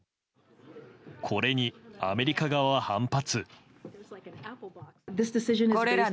これにアメリカ側は反発。